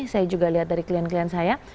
saya juga lihat dari klien klien saya